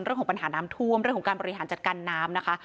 เรื่องของปัญหาน้ำท่วมเรื่องของการบริหารจัดการน้ำนะคะ